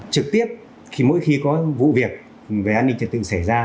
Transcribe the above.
trực tiếp khi mỗi khi có vụ việc về an ninh trật tự xảy ra